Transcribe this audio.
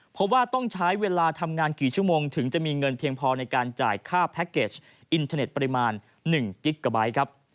เพราะว่าต้องใช้เวลาทำงานกี่ชั่วโมงถึงจะมีเงินเพียงพอในการจ่ายค่าแพ็คเกจอินเทอร์เน็ตปริมาณ๑กิ๊กกะไบท์ครับ